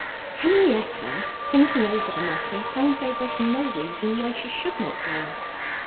Henrietta, thinking over the matter, found there was no reason why she should not go.